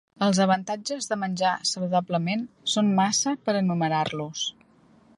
Els avantatges de menjar saludablement són massa per enumerar-los.